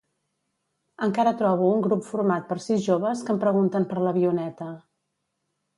Encara trobo un grup format per sis joves que em pregunten per l'avioneta.